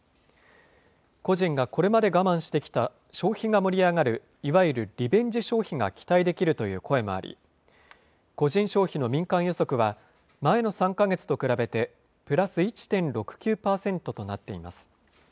個人がこれまで我慢してきた消費が盛り上がるいわゆるリベンジ消費が期待できるという声もあり、個人消費の民間予測は前の３か月と比べてプラス１．６９％となっています。